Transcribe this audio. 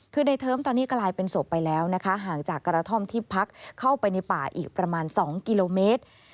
คือในเทิมตอนนี้กลายเป็นศพไปแล้วนะคะห่างจากกระท่อมที่พักเข้าไปในป่าอีกประมาณ๒กิโลเมตร